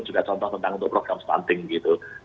juga contoh tentang untuk program stunting gitu